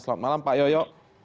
selamat malam pak yoyo